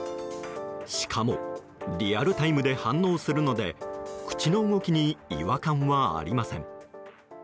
しかもリアルタイムで反応するので口の動きに違和感はありません。